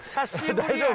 大丈夫？